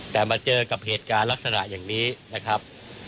แต่มาเจอกับเหตุการณ์ลักษณะอย่างนี้นะครับ